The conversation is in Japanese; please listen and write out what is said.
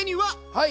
はい！